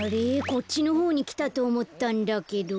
こっちのほうにきたとおもったんだけど。